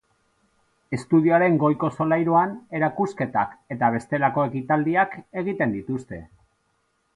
Estudioaren goiko solairuan, erakusketak eta bestelako ekitaldiak egiten dituzte.